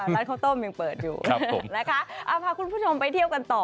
ร้านข้าวต้มยังเปิดอยู่นะคะเอาพาคุณผู้ชมไปเที่ยวกันต่อ